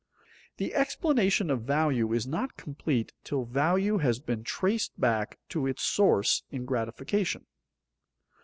_ The explanation of value is not complete till value has been traced back to its source in gratification.